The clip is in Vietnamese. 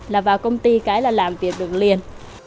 là vào công ty cái là làm việc được liền